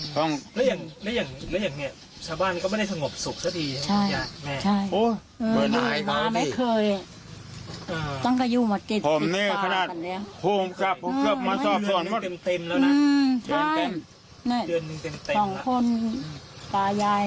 เกลียดเยอะนะ